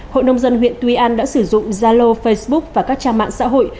hội nông dân huyện tuy an đã sử dụng gia lô facebook và các trang mạng xã hội